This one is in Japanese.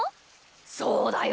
そうだよ。